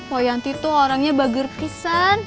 poyanti tuh orangnya bager kisan